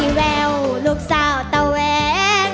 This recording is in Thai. แววลูกสาวตะแหวง